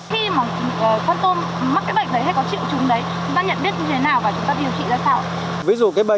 khi mà con tôm mắc cái bệnh đấy hay có triệu chứng đấy chúng ta nhận biết như thế nào và chúng ta điều trị ra sao